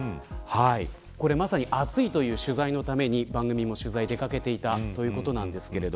これまさに暑いという取材のために番組も取材に出かけていたということなんですけれど